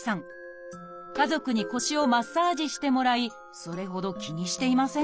家族に腰をマッサージしてもらいそれほど気にしていませんでした